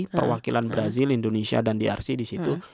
perwakilan brazil indonesia dan drc disitu